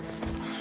あ？